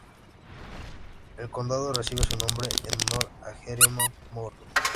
El condado recibe su nombre en honor a Jeremiah Morrow.